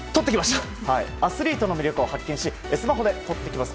アスリートの魅力を発見しスマホで撮ってきます